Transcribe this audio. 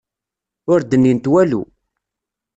Ur d-nnint walu.